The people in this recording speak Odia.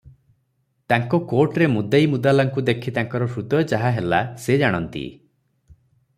ତାଙ୍କ କୋଟ୍ରେ ମୁଦେଇ ମୁଦାଲାଙ୍କୁ ଦେଖି ତାଙ୍କର ହୃଦୟ ଯାହା ହେଲା ସେ ଜାଣନ୍ତି ।